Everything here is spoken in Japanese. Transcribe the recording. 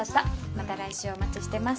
また来週お待ちしてます。